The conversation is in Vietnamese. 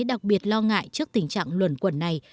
đặc biệt lo ngại trước tình trạng luẩn quẩn này